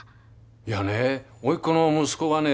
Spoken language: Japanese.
いやね甥っ子の息子がね